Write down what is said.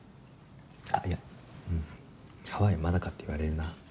あっいや「ハワイまだか？」って言われるな。